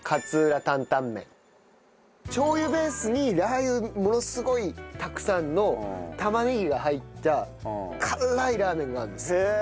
しょう油ベースにラー油ものすごいたくさんの玉ねぎが入った辛いラーメンがあるんですよ。